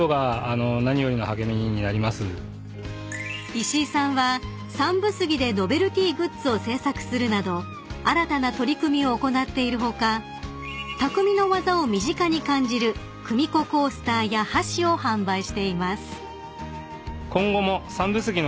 ［石井さんは山武杉でノベルティーグッズを製作するなど新たな取り組みを行っている他匠の技を身近に感じる組子コースターや箸を販売しています］